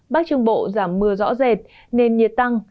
bắc trung bộ giảm mưa rõ rệt nền nhiệt tăng